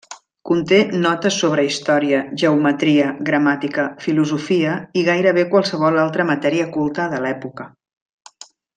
Conté notes sobre història, geometria, gramàtica, filosofia i gairebé qualsevol altra matèria culta de l'època.